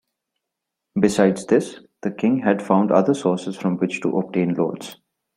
Besides this, the king had found other sources from which to obtain loans.